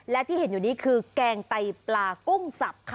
และที่เห็นอยู่นี้คือแกงไตปลากุ้งสับค่ะ